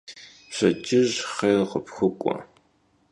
Pşedcıj xhêr khıpxuk'ue!